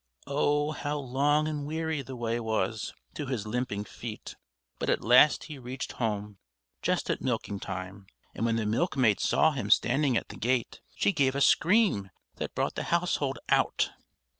Oh! how long and weary the way was, to his limping feet! But at last he reached home, just at milking time; and when the milkmaid saw him standing at the gate, she gave a scream that brought the household out.